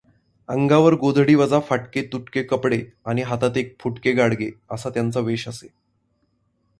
अंगावर गोधडीवजा फाटके तुटके कपडे आणि हातात एक फुटके गाडगे असा त्यांचा वेष असे.